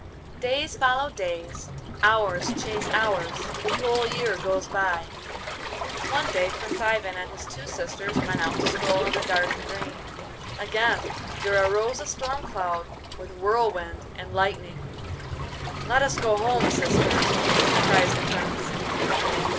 Days follow days, hours chase hours; a whole year goes by. One day Prince Ivan and his two sisters went out to stroll in the garden green. Again there arose a storm cloud, with whirlwind and lightning. 'Let us go home, sisters!' cries the Prince.